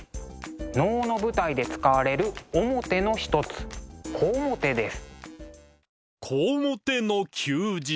能の舞台で使われる面の一つ小面です。